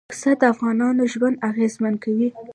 پسه د افغانانو ژوند اغېزمن کوي.